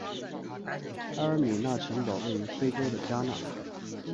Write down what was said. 埃尔米纳城堡位于非洲的加纳。